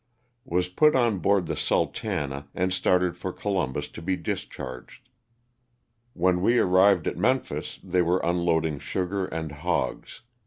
Was put on board the '^Sultana" and started for Columbus to be discharged. When we arrived at Memphis they were unloading sugar and hogs.